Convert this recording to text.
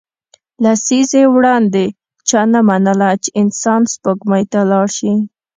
لسیزې وړاندې چا نه منله چې انسان سپوږمۍ ته لاړ شي